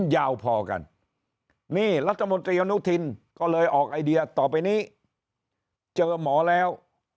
ยาวพอกันนี่รัฐมนตรีอนุทินก็เลยออกไอเดียต่อไปนี้เจอหมอแล้ว